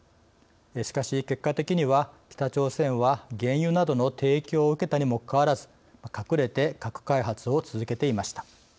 しかし結果的には北朝鮮は原油などの提供を受けたにもかかわらず隠れて核開発を続けていました。